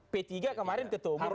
p tiga kemarin ketua umum